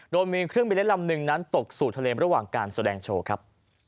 โดยมีเครื่องบินเล่นลำหนึ่งนั้นตกสู่ทะเลระหว่างการแสดงโชว์ครับ